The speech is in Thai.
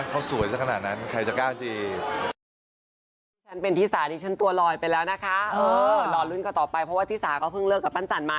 เขาสวยสักขนาดนั้นใครจะกล้าจี